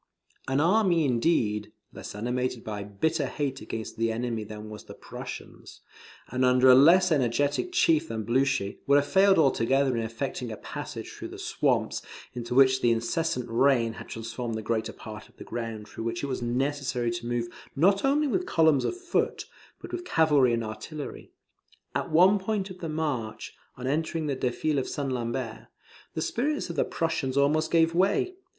An army indeed, less animated by bitter hate against the enemy than was the Prussians, and under a less energetic chief than Blucher, would have failed altogether in effecting a passage through the swamps, into which the incessant rain had transformed the greater part of the ground through which it was necessary to move not only with columns of foot, but with cavalry and artillery. At one point of the march, on entering the defile of St. Lambert, the spirits of the Prussians almost gave way.